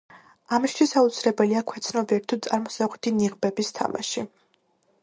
ამისთვის აუცილებელია ქვეცნობიერი თუ წარმოსახვითი ნიღბების თამაში.